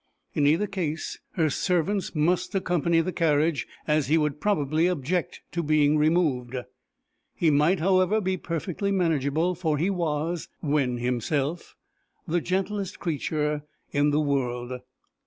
In either case her servants must accompany the carriage, as he would probably object to being removed. He might, however, be perfectly manageable, for he was, when himself, the gentlest creature in the world!